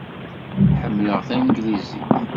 Ḥemmleɣ tanglizit.